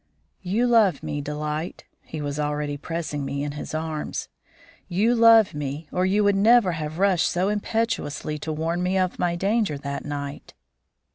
"You love me, Delight" (he was already pressing me in his arms), "you love me or you would never have rushed so impetuously to warn me of my danger that night.